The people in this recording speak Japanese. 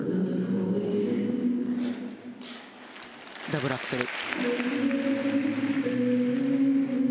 ダブルアクセル。